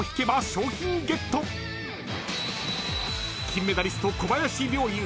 ［金メダリスト小林陵侑